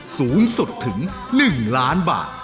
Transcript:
สูงสุดถึง๑ล้านบาท